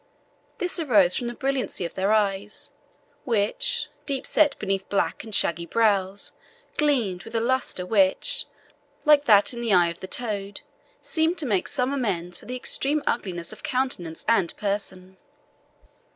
This arose from the brilliancy of their eyes, which, deep set beneath black and shaggy brows, gleamed with a lustre which, like that in the eye of the toad, seemed to make some amends for the extreme ugliness of countenance and person.